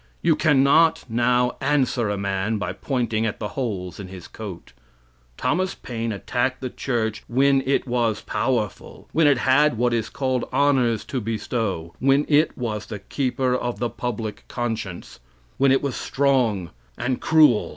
You can not now answer a man by pointing at the holes in his coat. Thomas Paine attacked the church when it was powerful; when it had what is called honors to bestow; when it was the keeper of the public conscience; when it was strong and cruel.